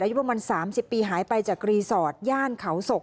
อายุประมาณ๓๐ปีหายไปจากรีสอร์ทย่านเขาศก